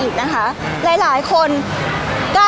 พี่ตอบได้แค่นี้จริงค่ะ